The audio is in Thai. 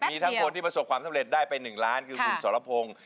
มีทั้งคนที่ประสบความสำเร็จได้ไป๑ล้านคือคุณสรพงศ์